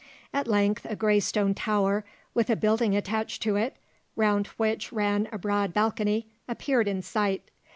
At length a grey stone tower, with a building attached to it, round which ran a broad balcony, appeared in sight.